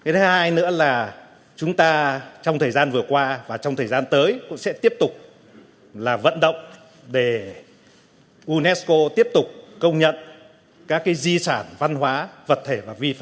thứ hai nữa là chúng ta trong thời gian vừa qua và trong thời gian tới cũng sẽ tiếp tục vận động để unesco tiếp tục công nhận các di sản văn hóa vật thể và vi phạm